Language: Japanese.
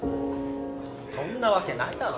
そんなわけないだろ。